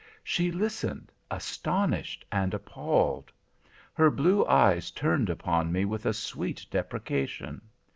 She listened, astonished and appalled. Her blue eyes turned upon me with a sweet deprecation.